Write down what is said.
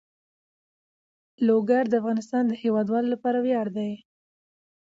لوگر د افغانستان د هیوادوالو لپاره ویاړ دی.